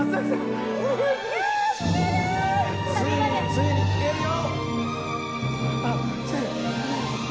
ついについに聴けるよ！